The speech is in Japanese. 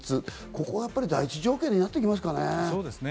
ここは第一条件になってきますかね？